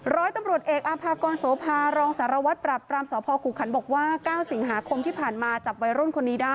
ร้อยตำรวจเอกอภากลศสภา